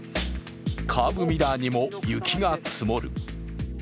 カーブミラーにも雪が積もる。